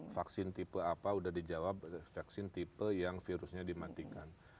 vaksin tipe apa udah dijawab vaksin tipe yang virusnya dimatikan